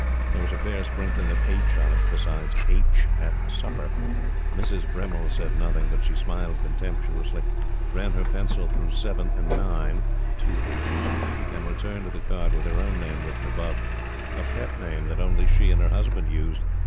There was a fair sprinkling of "H" on it besides "H" at supper. Mrs. Bremmil said nothing, but she smiled contemptuously, ran her pencil through 7 and 9 two "H's" and returned the card with her own name written above a pet name that only she and her husband used.